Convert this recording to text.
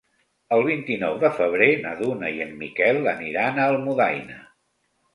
El vint-i-nou de febrer na Duna i en Miquel aniran a Almudaina.